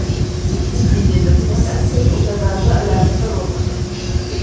Peki dedim, fakat pek o kadar da alakadar olmadım.